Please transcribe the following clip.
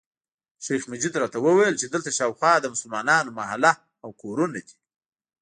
شیخ مجید راته وویل چې دلته شاوخوا د مسلمانانو محله او کورونه دي.